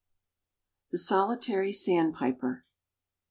THE SOLITARY SANDPIPER.